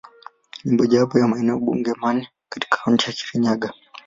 Ni mojawapo wa maeneo bunge manne katika Kaunti ya Kirinyaga.